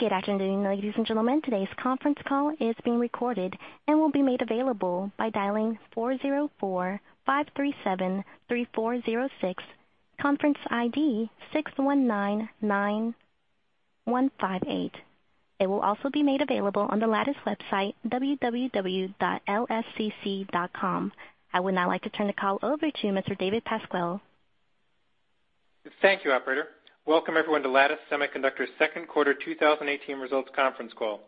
Good afternoon, ladies and gentlemen. Today's conference call is being recorded and will be made available by dialing 404-537-3406, conference ID 6199158. It will also be made available on the Lattice website, latticesemi.com. I would now like to turn the call over to Mr. David Pasquale. Thank you, operator. Welcome everyone to Lattice Semiconductor second quarter 2018 results conference call.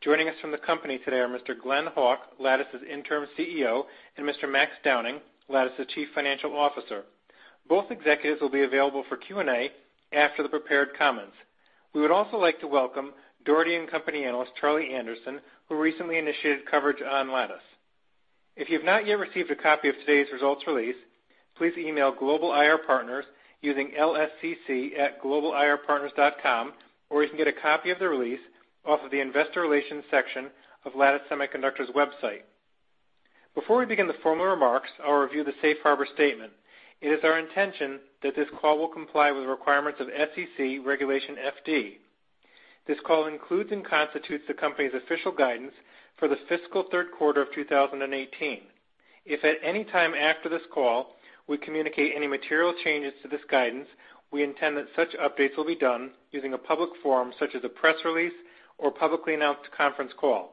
Joining us from the company today are Mr. Glen Hawk, Lattice's Interim CEO, and Mr. Max Downing, Lattice's Chief Financial Officer. Both executives will be available for Q&A after the prepared comments. We would also like to welcome Dougherty & Company analyst, Charlie Anderson, who recently initiated coverage on Lattice. If you've not yet received a copy of today's results release, please email Global IR Partners using lscc@globalirpartners.com, or you can get a copy of the release off of the investor relations section of Lattice Semiconductor's website. Before we begin the formal remarks, I'll review the safe harbor statement. It is our intention that this call will comply with the requirements of SEC Regulation FD. This call includes and constitutes the company's official guidance for the fiscal third quarter of 2018. If at any time after this call we communicate any material changes to this guidance, we intend that such updates will be done using a public forum such as a press release or publicly announced conference call.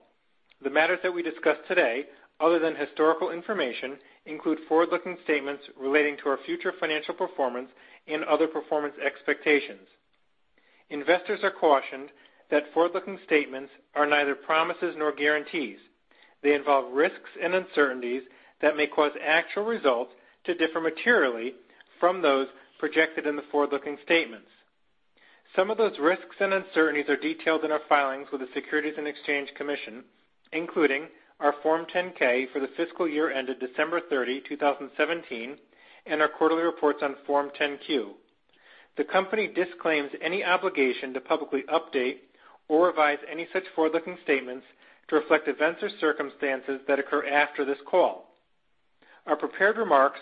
The matters that we discuss today, other than historical information, include forward-looking statements relating to our future financial performance and other performance expectations. Investors are cautioned that forward-looking statements are neither promises nor guarantees. They involve risks and uncertainties that may cause actual results to differ materially from those projected in the forward-looking statements. Some of those risks and uncertainties are detailed in our filings with the Securities and Exchange Commission, including our Form 10-K for the fiscal year ended December 30, 2017, and our quarterly reports on Form 10-Q. The company disclaims any obligation to publicly update or revise any such forward-looking statements to reflect events or circumstances that occur after this call. Our prepared remarks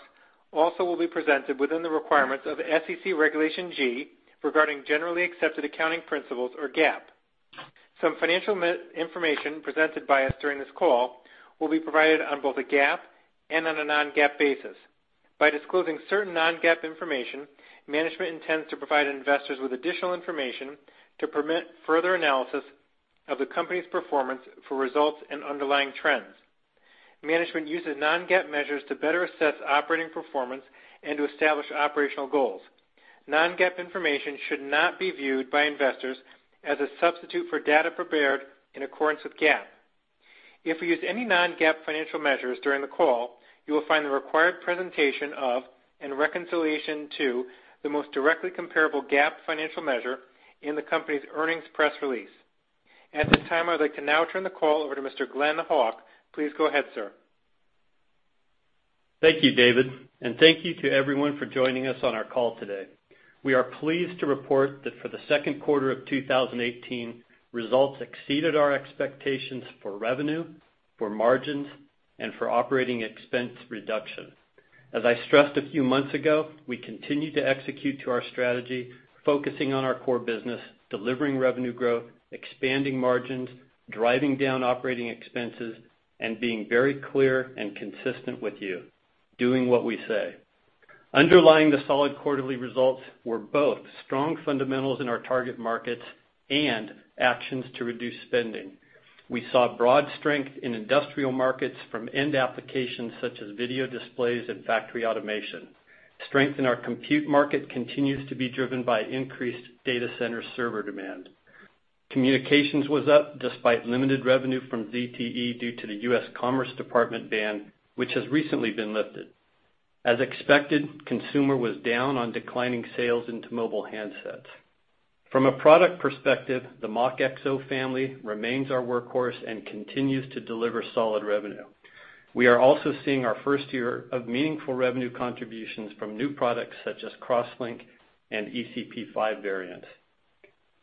also will be presented within the requirements of SEC Regulation G regarding generally accepted accounting principles or GAAP. Some financial information presented by us during this call will be provided on both a GAAP and on a non-GAAP basis. By disclosing certain non-GAAP information, management intends to provide investors with additional information to permit further analysis of the company's performance for results and underlying trends. Management uses non-GAAP measures to better assess operating performance and to establish operational goals. Non-GAAP information should not be viewed by investors as a substitute for data prepared in accordance with GAAP. If we use any non-GAAP financial measures during the call, you will find the required presentation of, and reconciliation to, the most directly comparable GAAP financial measure in the company's earnings press release. At this time, I'd like to now turn the call over to Mr. Glen Hawk. Please go ahead, sir. Thank you, David, and thank you to everyone for joining us on our call today. We are pleased to report that for the second quarter of 2018, results exceeded our expectations for revenue, for margins, and for operating expense reduction. As I stressed a few months ago, we continue to execute to our strategy, focusing on our core business, delivering revenue growth, expanding margins, driving down operating expenses, and being very clear and consistent with you, doing what we say. Underlying the solid quarterly results were both strong fundamentals in our target markets and actions to reduce spending. We saw broad strength in industrial markets from end applications such as video displays and factory automation. Strength in our compute market continues to be driven by increased data center server demand. Communications was up despite limited revenue from ZTE due to the U.S. Department of Commerce ban, which has recently been lifted. As expected, consumer was down on declining sales into mobile handsets. From a product perspective, the MachXO family remains our workhorse and continues to deliver solid revenue. We are also seeing our first year of meaningful revenue contributions from new products such as CrossLink and ECP5 variants.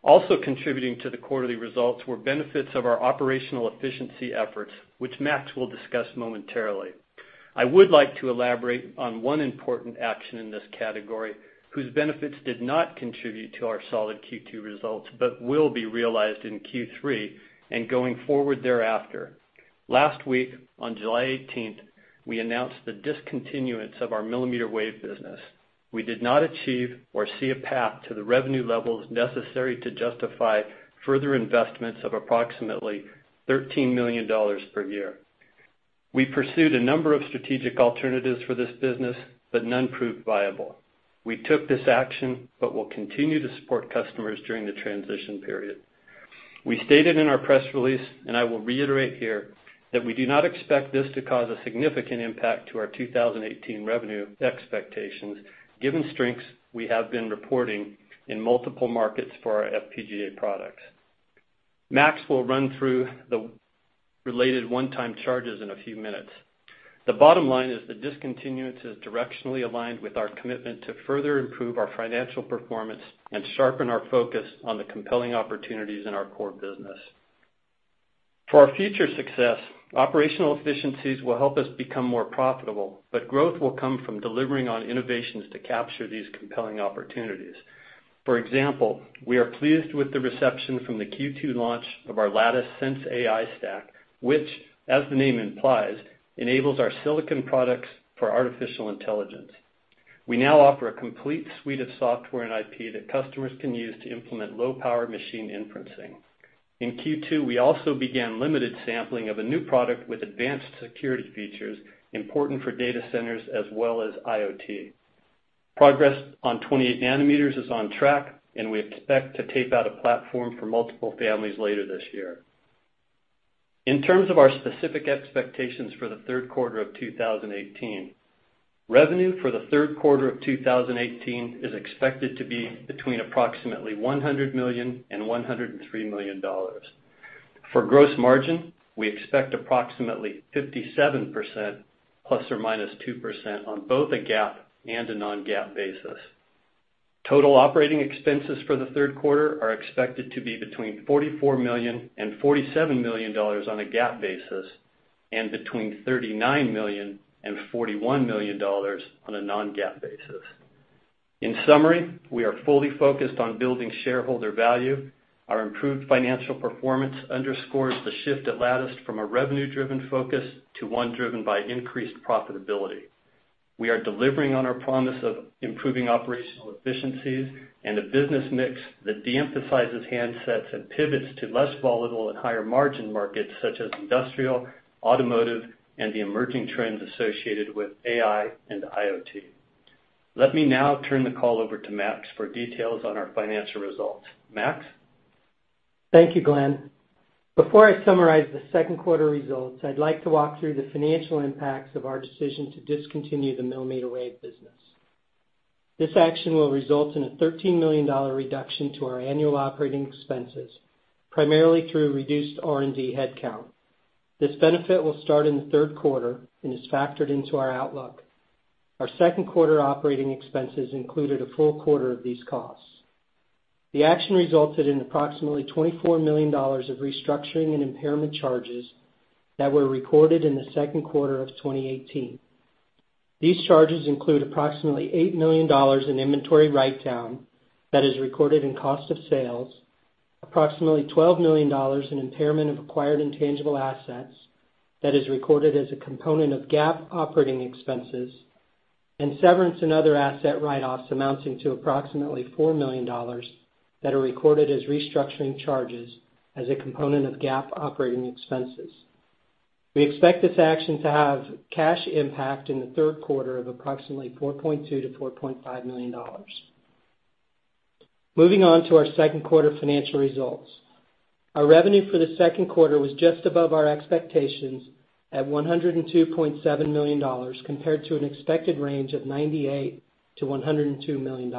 Also contributing to the quarterly results were benefits of our operational efficiency efforts, which Max will discuss momentarily. I would like to elaborate on one important action in this category whose benefits did not contribute to our solid Q2 results but will be realized in Q3 and going forward thereafter. Last week, on July 18th, we announced the discontinuance of our millimeter wave business. We did not achieve or see a path to the revenue levels necessary to justify further investments of approximately $13 million per year. We pursued a number of strategic alternatives for this business, but none proved viable. We took this action, but will continue to support customers during the transition period. We stated in our press release, and I will reiterate here, that we do not expect this to cause a significant impact to our 2018 revenue expectations, given strengths we have been reporting in multiple markets for our FPGA products. Max will run through the related one-time charges in a few minutes. The bottom line is the discontinuance is directionally aligned with our commitment to further improve our financial performance and sharpen our focus on the compelling opportunities in our core business. For our future success, operational efficiencies will help us become more profitable, but growth will come from delivering on innovations to capture these compelling opportunities. For example, we are pleased with the reception from the Q2 launch of our Lattice sensAI stack, which, as the name implies, enables our silicon products for artificial intelligence. We now offer a complete suite of software and IP that customers can use to implement low-power machine inferencing. In Q2, we also began limited sampling of a new product with advanced security features important for data centers as well as IoT. Progress on 28 nanometers is on track, and we expect to tape out a platform for multiple families later this year. In terms of our specific expectations for the third quarter of 2018, revenue for the third quarter of 2018 is expected to be between approximately $100 million and $103 million. For gross margin, we expect approximately 57%, plus or minus 2%, on both a GAAP and a non-GAAP basis. Total operating expenses for the third quarter are expected to be between $44 million and $47 million on a GAAP basis and between $39 million and $41 million on a non-GAAP basis. In summary, we are fully focused on building shareholder value. Our improved financial performance underscores the shift at Lattice from a revenue-driven focus to one driven by increased profitability. We are delivering on our promise of improving operational efficiencies and a business mix that de-emphasizes handsets and pivots to less volatile and higher margin markets such as industrial, automotive, and the emerging trends associated with AI and IoT. Let me now turn the call over to Max for details on our financial results. Max? Thank you, Glen. Before I summarize the second quarter results, I'd like to walk through the financial impacts of our decision to discontinue the millimeter wave business. This action will result in a $13 million reduction to our annual operating expenses, primarily through reduced R&D headcount. This benefit will start in the third quarter and is factored into our outlook. Our second quarter operating expenses included a full quarter of these costs. The action resulted in approximately $24 million of restructuring and impairment charges that were recorded in the second quarter of 2018. These charges include approximately $8 million in inventory write-down that is recorded in cost of sales, approximately $12 million in impairment of acquired intangible assets that is recorded as a component of GAAP operating expenses, and severance and other asset write-offs amounting to approximately $4 million that are recorded as restructuring charges as a component of GAAP operating expenses. We expect this action to have cash impact in the third quarter of approximately $4.2 million-$4.5 million. Moving on to our second quarter financial results. Our revenue for the second quarter was just above our expectations at $102.7 million compared to an expected range of $98 million-$102 million.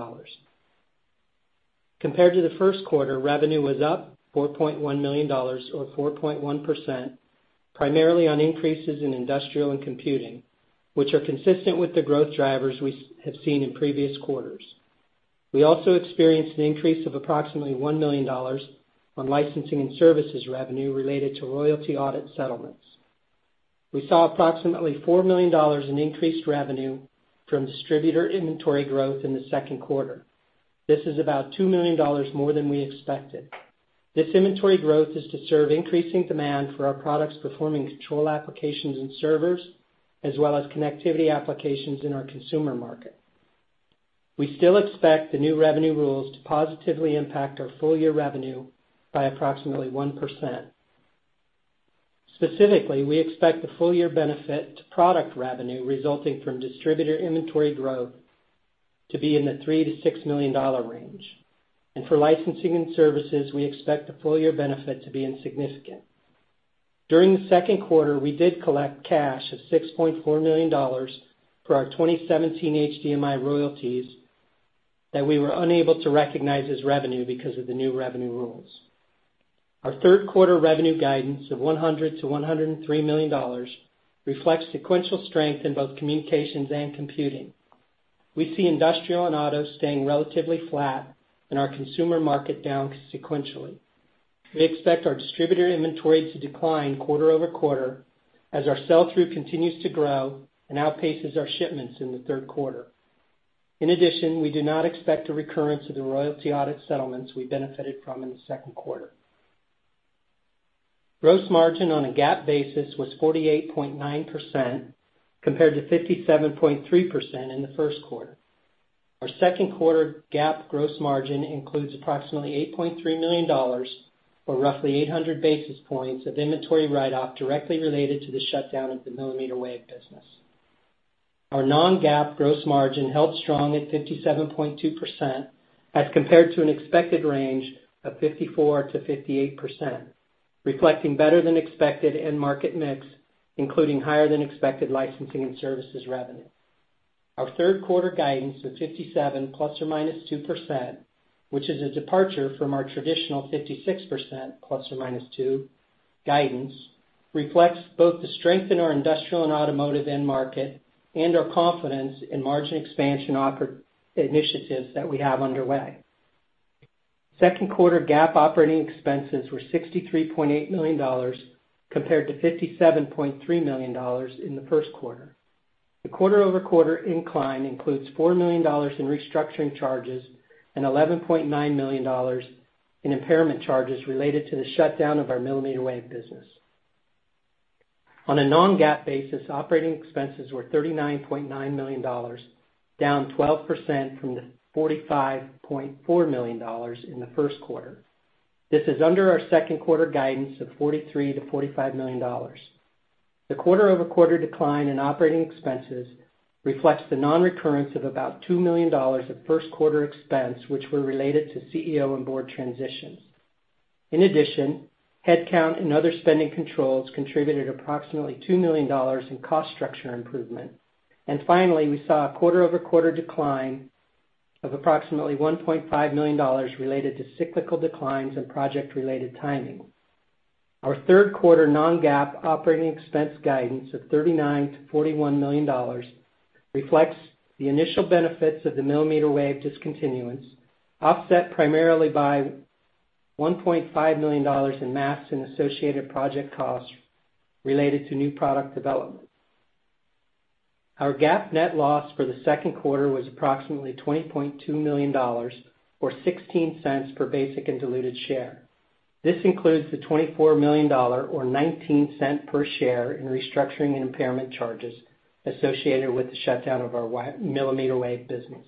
Compared to the first quarter, revenue was up $4.1 million or 4.1%, primarily on increases in industrial and computing, which are consistent with the growth drivers we have seen in previous quarters. We also experienced an increase of approximately $1 million on licensing and services revenue related to royalty audit settlements. We saw approximately $4 million in increased revenue from distributor inventory growth in the second quarter. This is about $2 million more than we expected. This inventory growth is to serve increasing demand for our products performing control applications and servers, as well as connectivity applications in our consumer market. We still expect the new revenue rules to positively impact our full year revenue by approximately 1%. Specifically, we expect the full year benefit to product revenue resulting from distributor inventory growth to be in the $3 million-$6 million range. For licensing and services, we expect the full year benefit to be insignificant. During the second quarter, we did collect cash of $6.4 million for our 2017 HDMI royalties that we were unable to recognize as revenue because of the new revenue rules. Our third quarter revenue guidance of $100 million-$103 million reflects sequential strength in both communications and computing. We see industrial and auto staying relatively flat and our consumer market down sequentially. We expect our distributor inventory to decline quarter-over-quarter as our sell-through continues to grow and outpaces our shipments in the third quarter. In addition, we do not expect a recurrence of the royalty audit settlements we benefited from in the second quarter. Gross margin on a GAAP basis was 48.9% compared to 57.3% in the first quarter. Our second quarter GAAP gross margin includes approximately $8.3 million or roughly 800 basis points of inventory write-off directly related to the shutdown of the millimeter-wave business. Our non-GAAP gross margin held strong at 57.2% as compared to an expected range of 54%-58%, reflecting better than expected end market mix, including higher than expected licensing and services revenue. Our third quarter guidance of 57% ± 2%, which is a departure from our traditional 56% ± 2% guidance, reflects both the strength in our industrial and automotive end market and our confidence in margin expansion initiatives that we have underway. Second quarter GAAP operating expenses were $63.8 million compared to $57.3 million in the first quarter. The quarter-over-quarter incline includes $4 million in restructuring charges and $11.9 million in impairment charges related to the shutdown of our millimeter-wave business. On a non-GAAP basis, operating expenses were $39.9 million, down 12% from the $45.4 million in the first quarter. This is under our second quarter guidance of $43 million-$45 million. The quarter-over-quarter decline in operating expenses reflects the non-recurrence of about $2 million of first-quarter expense, which were related to CEO and board transitions. In addition, headcount and other spending controls contributed approximately $2 million in cost structure improvement. Finally, we saw a quarter-over-quarter decline of approximately $1.5 million related to cyclical declines in project-related timing. Our third quarter non-GAAP operating expense guidance of $39 million-$41 million reflects the initial benefits of the millimeter-wave discontinuance, offset primarily by $1.5 million in masks and associated project costs related to new product development. Our GAAP net loss for the second quarter was approximately $20.2 million or $0.16 per basic and diluted share. This includes the $24 million or $0.19 per share in restructuring and impairment charges associated with the shutdown of our millimeter-wave business.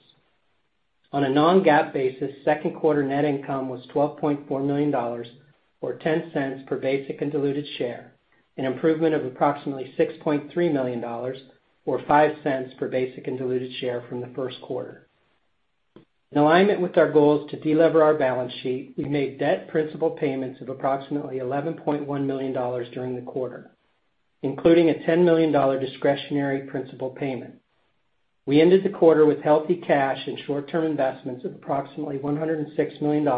On a non-GAAP basis, second quarter net income was $12.4 million or $0.10 per basic and diluted share, an improvement of approximately $6.3 million or $0.05 per basic and diluted share from the first quarter. In alignment with our goals to de-lever our balance sheet, we made debt principal payments of approximately $11.1 million during the quarter, including a $10 million discretionary principal payment. We ended the quarter with healthy cash and short-term investments of approximately $106 million,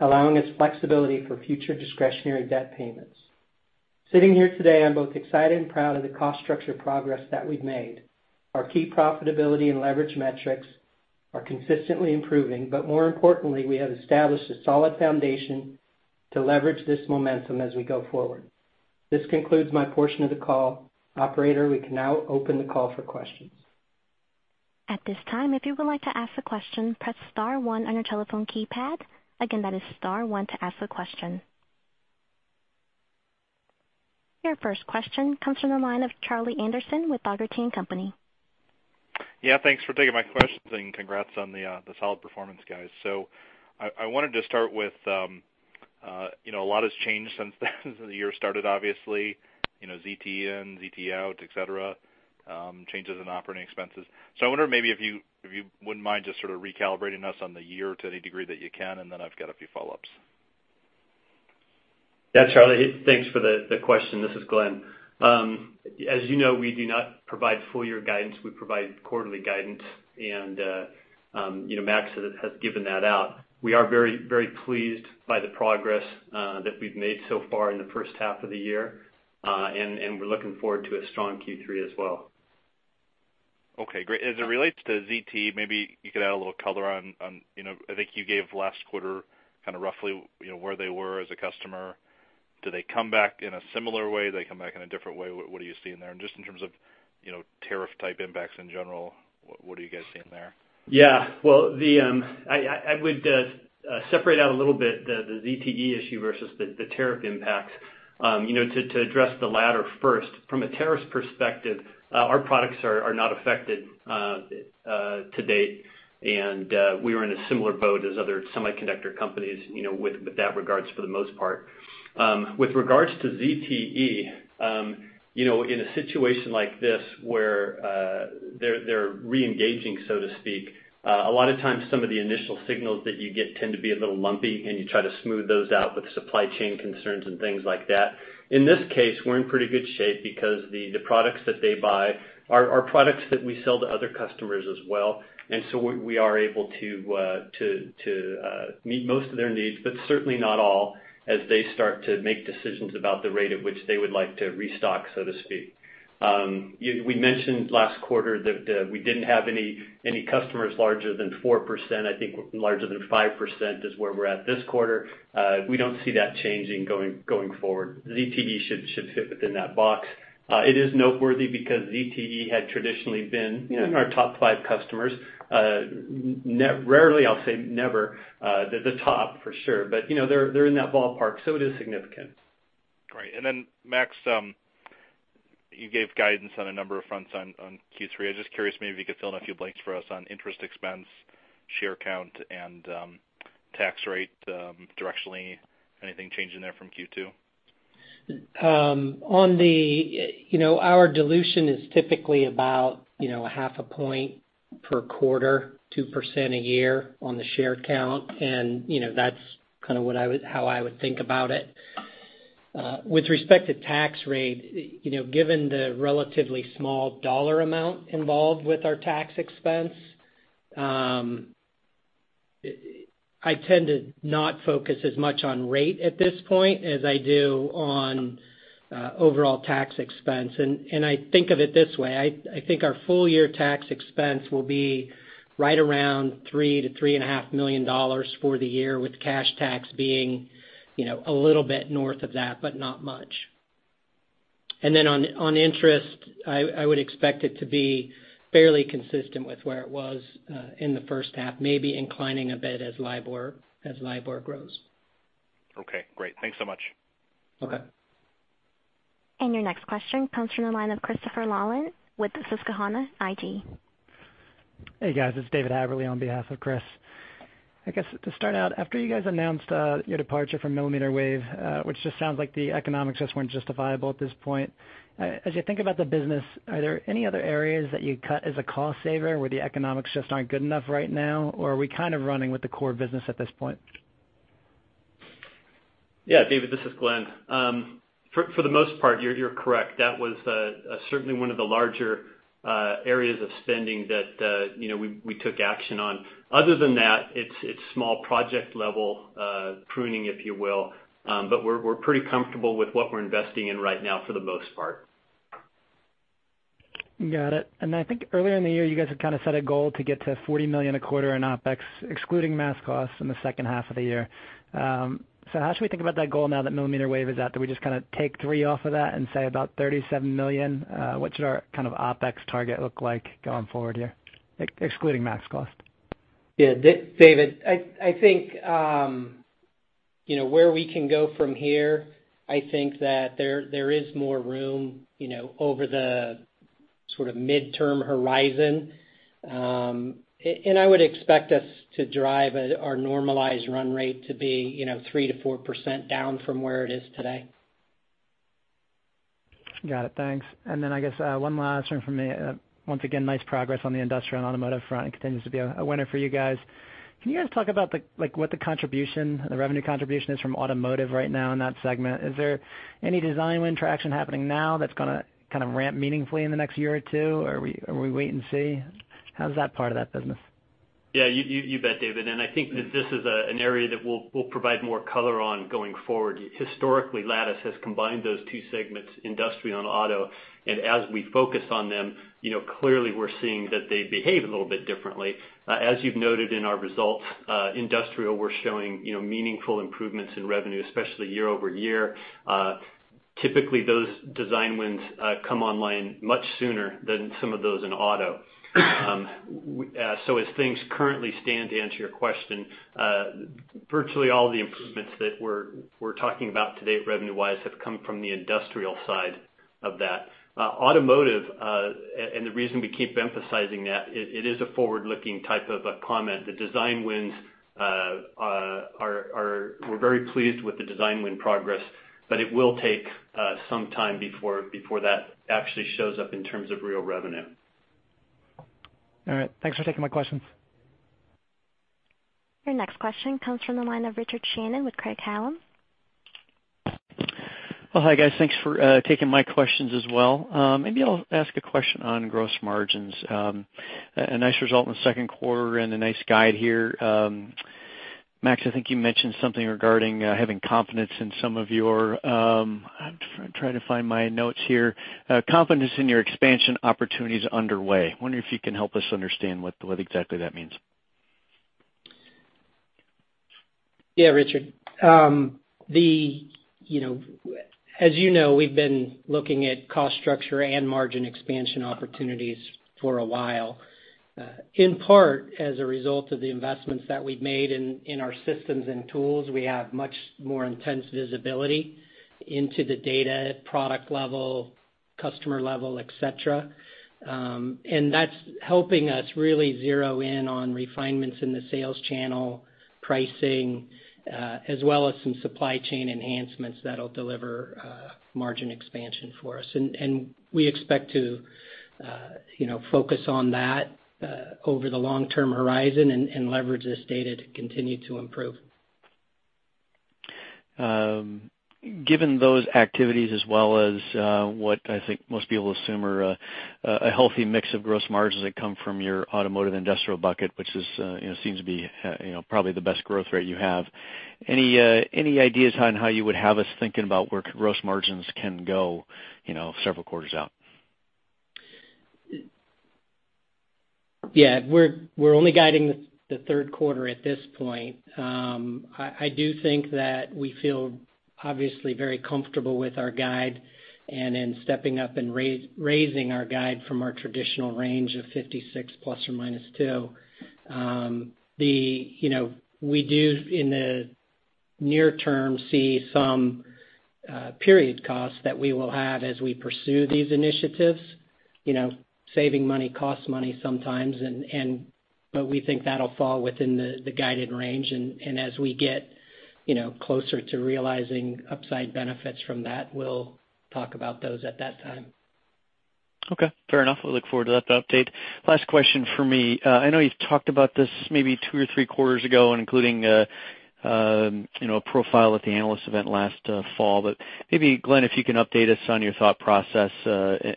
allowing us flexibility for future discretionary debt payments. Sitting here today, I'm both excited and proud of the cost structure progress that we've made. Our key profitability and leverage metrics are consistently improving, but more importantly, we have established a solid foundation to leverage this momentum as we go forward. This concludes my portion of the call. Operator, we can now open the call for questions. At this time, if you would like to ask a question, press star one on your telephone keypad. Again, that is star one to ask a question. Your first question comes from the line of Charlie Anderson with Dougherty & Company. Thanks for taking my questions and congrats on the solid performance, guys. I wanted to start with, a lot has changed since the year started, obviously, ZTE in, ZTE out, et cetera, changes in operating expenses. I wonder maybe if you wouldn't mind just sort of recalibrating us on the year to any degree that you can, and then I've got a few follow-ups. Charlie, thanks for the question. This is Glen. As you know, we do not provide full-year guidance. We provide quarterly guidance, and Max has given that out. We are very pleased by the progress that we've made so far in the first half of the year, and we're looking forward to a strong Q3 as well. Okay, great. As it relates to ZTE, maybe you could add a little color on, I think you gave last quarter kind of roughly where they were as a customer. Do they come back in a similar way? Do they come back in a different way? What do you see in there? Just in terms of tariff-type impacts in general, what are you guys seeing there? Yeah. Well, I would separate out a little bit the ZTE issue versus the tariff impact. To address the latter first, from a tariffs perspective, our products are not affected to date. We are in a similar boat as other semiconductor companies with that regards for the most part. With regards to ZTE, in a situation like this where they're re-engaging, so to speak, a lot of times some of the initial signals that you get tend to be a little lumpy, and you try to smooth those out with supply chain concerns and things like that. In this case, we're in pretty good shape because the products that they buy are products that we sell to other customers as well. We are able to meet most of their needs, but certainly not all, as they start to make decisions about the rate at which they would like to restock, so to speak. We mentioned last quarter that we didn't have any customers larger than 4%. I think larger than 5% is where we're at this quarter. We don't see that changing going forward. ZTE should fit within that box. It is noteworthy because ZTE had traditionally been in our top five customers. Rarely, I'll say never, the top for sure. They're in that ballpark, so it is significant. Great. Max, you gave guidance on a number of fronts on Q3. I'm just curious, maybe if you could fill in a few blanks for us on interest expense, share count, and tax rate, directionally, anything changing there from Q2? Our dilution is typically about half a point per quarter, 2% a year on the share count, and that's kind of how I would think about it. With respect to tax rate, given the relatively small dollar amount involved with our tax expense, I tend to not focus as much on rate at this point as I do on overall tax expense. I think of it this way: I think our full-year tax expense will be right around $3 million-$3.5 million for the year, with cash tax being a little bit north of that, but not much. On interest, I would expect it to be fairly consistent with where it was in the first half, maybe inclining a bit as LIBOR grows. Okay, great. Thanks so much. Okay. Your next question comes from the line of Christopher Rolland with Susquehanna. Hey, guys. This is David Haverly on behalf of Chris. I guess to start out, after you guys announced your departure from millimeter wave, which just sounds like the economics just weren't justifiable at this point. As you think about the business, are there any other areas that you'd cut as a cost saver where the economics just aren't good enough right now, or are we kind of running with the core business at this point? Yeah, David, this is Glen. For the most part, you're correct. That was certainly one of the larger areas of spending that we took action on. Other than that, it's small project-level pruning, if you will. We're pretty comfortable with what we're investing in right now, for the most part. Got it. I think earlier in the year, you guys had kind of set a goal to get to $40 million a quarter in OpEx, excluding mask costs in the second half of the year. How should we think about that goal now that millimeter wave is out? Do we just kind of take 3 off of that and say about $37 million? What should our kind of OpEx target look like going forward here, excluding mass cost? Yeah, David, I think, where we can go from here, I think that there is more room over the sort of midterm horizon. I would expect us to drive our normalized run rate to be 3%-4% down from where it is today. Got it. Thanks. Then I guess 1 last one from me. Once again, nice progress on the industrial and automotive front. It continues to be a winner for you guys. Can you guys talk about the contribution, the revenue contribution is from automotive right now in that segment? Is there any design win traction happening now that's going to kind of ramp meaningfully in the next year or 2, or are we wait and see? How's that part of that business? Yeah, you bet, David. I think that this is an area that we'll provide more color on going forward. Historically, Lattice has combined those two segments, industrial and auto. As we focus on them, clearly we're seeing that they behave a little bit differently. As you've noted in our results, industrial, we're showing meaningful improvements in revenue, especially year-over-year. Typically, those design wins come online much sooner than some of those in auto. As things currently stand, to answer your question, virtually all of the improvements that we're talking about today, revenue-wise, have come from the industrial side of that. Automotive, the reason we keep emphasizing that, it is a forward-looking type of a comment. We're very pleased with the design win progress. It will take some time before that actually shows up in terms of real revenue. All right. Thanks for taking my questions. Your next question comes from the line of Richard Shannon with Craig-Hallum. Well, hi, guys. Thanks for taking my questions as well. Maybe I'll ask a question on gross margins. A nice result in the second quarter and a nice guide here. Max, I think you mentioned something regarding having confidence in some of your, I'm trying to find my notes here, confidence in your expansion opportunities underway, wondering if you can help us understand what exactly that means. Yeah, Richard. As you know, we've been looking at cost structure and margin expansion opportunities for a while. In part, as a result of the investments that we've made in our systems and tools, we have much more intense visibility into the data at product level, customer level, et cetera. That's helping us really zero in on refinements in the sales channel, pricing, as well as some supply chain enhancements that'll deliver margin expansion for us. We expect to focus on that over the long-term horizon and leverage this data to continue to improve. Given those activities as well as what I think most people assume are a healthy mix of gross margins that come from your automotive industrial bucket, which seems to be probably the best growth rate you have, any ideas on how you would have us thinking about where gross margins can go several quarters out? Yeah. We're only guiding the third quarter at this point. I do think that we feel obviously very comfortable with our guide and in stepping up and raising our guide from our traditional range of 56 ± 2. We do, in the near term, see some period costs that we will have as we pursue these initiatives. Saving money costs money sometimes, we think that'll fall within the guided range, and as we get closer to realizing upside benefits from that, we'll talk about those at that time. Okay. Fair enough. We'll look forward to that update. Last question from me. I know you've talked about this maybe two or three quarters ago, including a profile at the analyst event last fall. Maybe, Glen, if you can update us on your thought process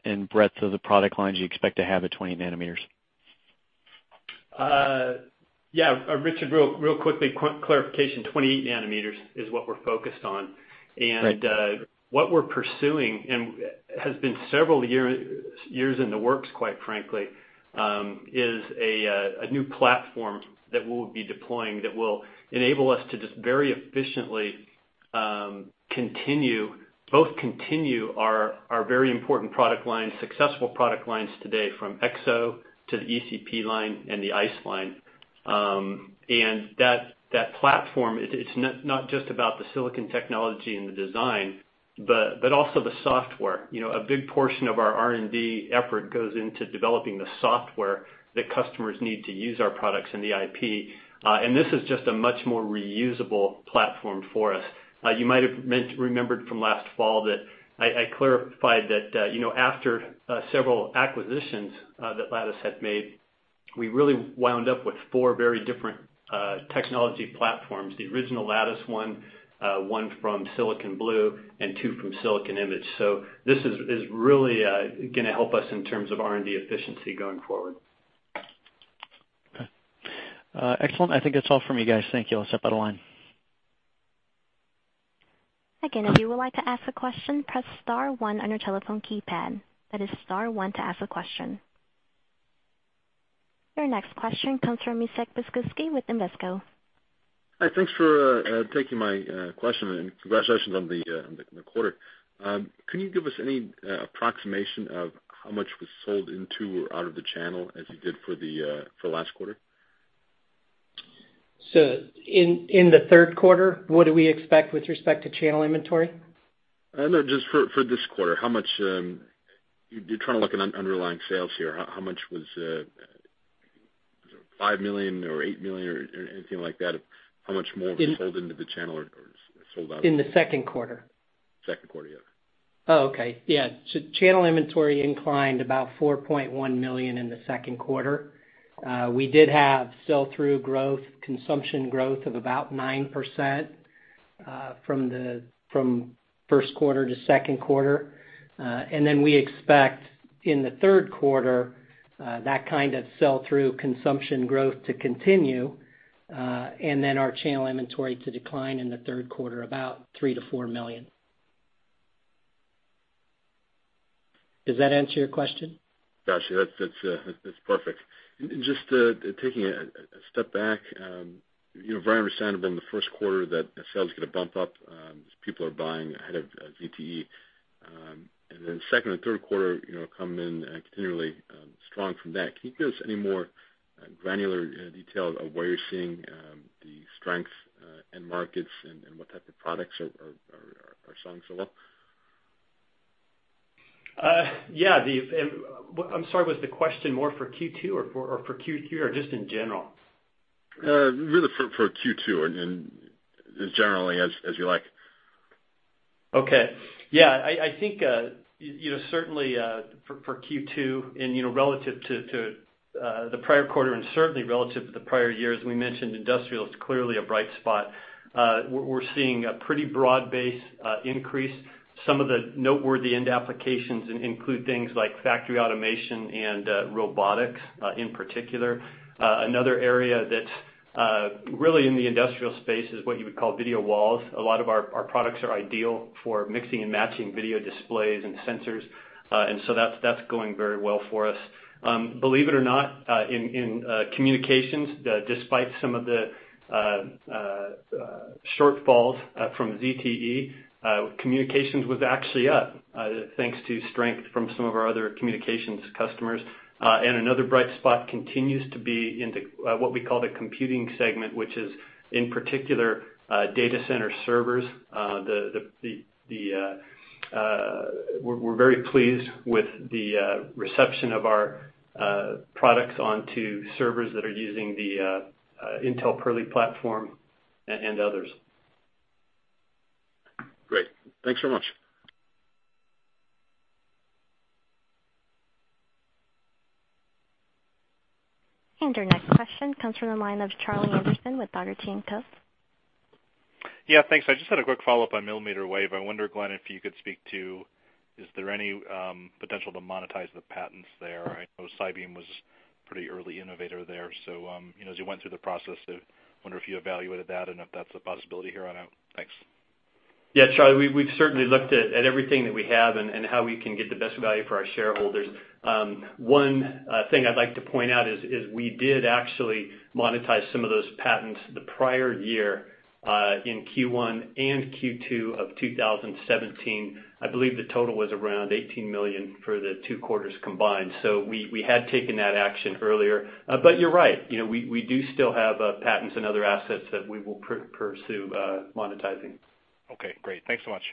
and breadth of the product lines you expect to have at 20 nanometers. Yeah. Richard, real quickly, quick clarification. 28 nanometers is what we're focused on. Right. What we're pursuing, and has been several years in the works, quite frankly, is a new platform that we'll be deploying that will enable us to just very efficiently both continue our very important product lines, successful product lines today from MachXO to the ECP line and the iCE line. That platform, it's not just about the silicon technology and the design, but also the software. A big portion of our R&D effort goes into developing the software that customers need to use our products and the IP. This is just a much more reusable platform for us. You might have remembered from last fall that I clarified that after several acquisitions that Lattice had made, we really wound up with four very different technology platforms, the original Lattice one from SiliconBlue, and two from Silicon Image. This is really going to help us in terms of R&D efficiency going forward. Okay. Excellent. I think that's all from me, guys. Thank you. I'll step out of line. If you would like to ask a question, press * one on your telephone keypad. That is * one to ask a question. Your next question comes from Micek Biskuski with Invesco. Hi. Thanks for taking my question, congratulations on the quarter. Can you give us any approximation of how much was sold into or out of the channel as you did for last quarter? In the third quarter, what do we expect with respect to channel inventory? No, just for this quarter, you're trying to look at underlying sales here. How much was it, was it $5 million or $8 million or anything like that? How much more was sold into the channel or sold out? In the second quarter? Second quarter, yeah. Oh, okay. Yeah. Channel inventory inclined about $4.1 million in the second quarter. We did have sell-through growth, consumption growth of about 9% from first quarter to second quarter. We expect in the third quarter, that kind of sell-through consumption growth to continue, and our channel inventory to decline in the third quarter about $3 million-$4 million. Does that answer your question? Got you. That's perfect. Just taking a step back, very understandable in the first quarter that sales get a bump up as people are buying ahead of ZTE. Second and third quarter come in continually strong from that. Can you give us any more granular details of where you're seeing the strength in markets and what type of products are selling so well? Yeah. I'm sorry, was the question more for Q2 or for Q3, or just in general? Really for Q2 and generally as you like. Okay. Yeah. I think, certainly for Q2 and relative to the prior quarter and certainly relative to the prior year, as we mentioned, industrial is clearly a bright spot. We're seeing a pretty broad base increase. Some of the noteworthy end applications include things like factory automation and robotics, in particular. Another area that's really in the industrial space is what you would call video walls. A lot of our products are ideal for mixing and matching video displays and sensors. That's going very well for us. Believe it or not, in communications, despite some of the shortfalls from ZTE, communications was actually up, thanks to strength from some of our other communications customers. Another bright spot continues to be in what we call the computing segment, which is, in particular, data center servers. We're very pleased with the reception of our products onto servers that are using the Intel Purley platform and others. Great. Thanks so much. Your next question comes from the line of Charlie Anderson with Dougherty & Company. Yeah, thanks. I just had a quick follow-up on millimeter wave. I wonder, Glen, if you could speak to, is there any potential to monetize the patents there? I know SiBeam was pretty early innovator there. As you went through the process, I wonder if you evaluated that and if that's a possibility here on out. Thanks. Yeah, Charlie, we've certainly looked at everything that we have and how we can get the best value for our shareholders. One thing I'd like to point out is we did actually monetize some of those patents the prior year, in Q1 and Q2 of 2017. I believe the total was around $18 million for the two quarters combined. We had taken that action earlier. You're right. We do still have patents and other assets that we will pursue monetizing. Okay, great. Thanks so much.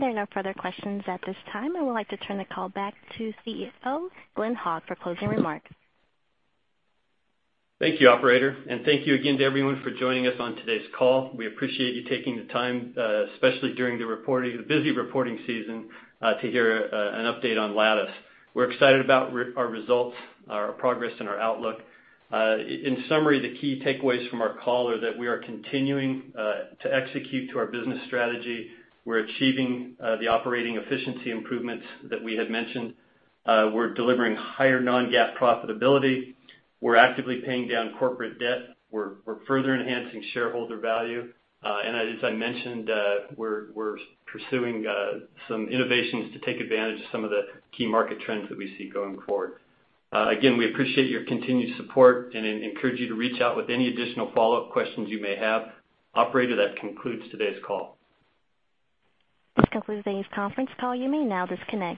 There are no further questions at this time. I would like to turn the call back to CEO, Glen Hawk, for closing remarks. Thank you, operator. Thank you again to everyone for joining us on today's call. We appreciate you taking the time, especially during the busy reporting season, to hear an update on Lattice. We're excited about our results, our progress and our outlook. In summary, the key takeaways from our call are that we are continuing to execute to our business strategy. We're achieving the operating efficiency improvements that we had mentioned. We're delivering higher non-GAAP profitability. We're actively paying down corporate debt. We're further enhancing shareholder value. As I mentioned, we're pursuing some innovations to take advantage of some of the key market trends that we see going forward. Again, we appreciate your continued support and encourage you to reach out with any additional follow-up questions you may have. Operator, that concludes today's call. This concludes today's conference call. You may now disconnect.